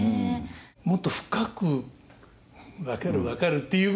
もっと深く「分かる分かる」っていうぐらいに。